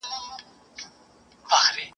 چي بهانه سي درته ګرانه پر ما ښه لګیږي !.